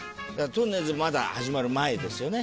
とんねるずまだ始まる前ですよね。